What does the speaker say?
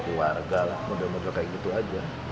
kemarin pas pada penggeledahan itu ada berapa orang di rumah pak